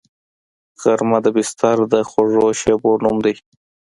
غرمه د بستر د خوږو شیبو نوم دی